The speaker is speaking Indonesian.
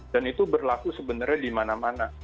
dan itu berlaku sebenarnya dimana mana